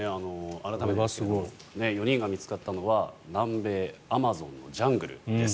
改めて、４人が見つかったのは南米アマゾンのジャングルです。